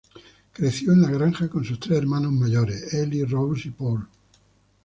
Creció en la granja con sus tres hermanos mayores, Elli, Rose y Paul.